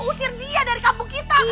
usir dia dari kampung kita